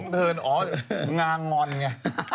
อ๋องางนอย่างนี้